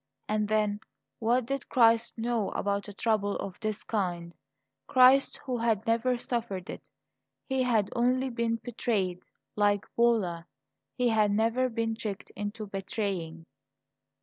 And then, what did Christ know about a trouble of this kind Christ, who had never suffered it? He had only been betrayed, like Bolla; He had never been tricked into betraying.